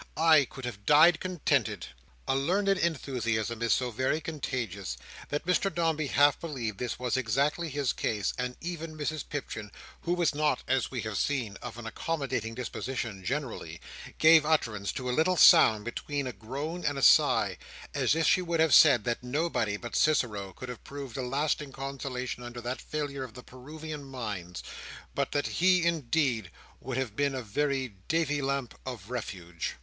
I could have died contented." A learned enthusiasm is so very contagious, that Mr Dombey half believed this was exactly his case; and even Mrs Pipchin, who was not, as we have seen, of an accommodating disposition generally, gave utterance to a little sound between a groan and a sigh, as if she would have said that nobody but Cicero could have proved a lasting consolation under that failure of the Peruvian Mines, but that he indeed would have been a very Davy lamp of refuge.